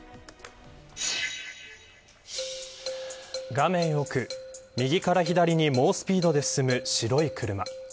画面奥右から左に猛スピードで進む白い車。